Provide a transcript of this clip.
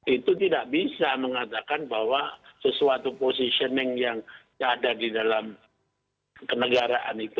itu tidak bisa mengatakan bahwa sesuatu positioning yang ada di dalam kenegaraan itu